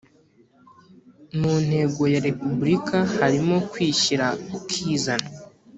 mu ntego ya repubulika hari mo kwishyira ukizana